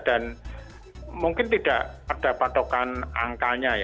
dan mungkin tidak ada patokan angkanya